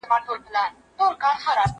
زه به د ژبي تمرين کړی وي!.